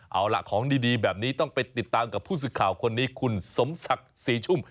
เอาล่ะของดีแบบนี้ต้องไปติดตามกับผู้สื่อข่าวคนนี้คุณสมศักดิ์ศรีชุ่ม